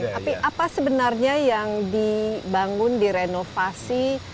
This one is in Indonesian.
tapi apa sebenarnya yang dibangun direnovasi